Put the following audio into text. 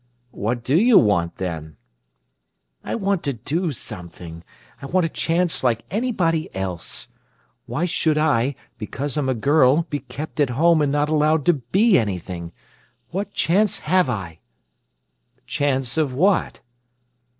"What do you want, then?" "I want to do something. I want a chance like anybody else. Why should I, because I'm a girl, be kept at home and not allowed to be anything? What chance have I?" "Chance of what?"